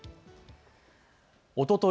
おととい